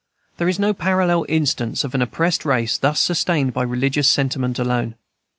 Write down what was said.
There is no parallel instance of an oppressed race thus sustained by the religious sentiment alone.